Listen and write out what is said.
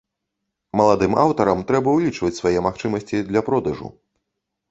Маладым аўтарам трэба ўлічваць свае магчымасці для продажу.